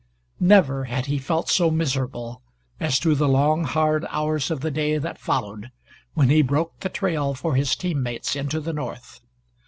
Never had he felt so miserable as through the long hard hours of the day that followed, when he broke the trail for his team mates into the North.